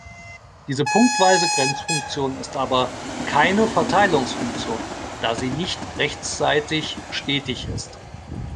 Diese punktweise Grenzfunktion ist aber "keine Verteilungsfunktion", da sie nicht rechtsseitig stetig ist.